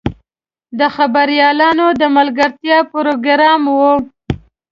د خبریالانو د ملګرتیا پروګرام و.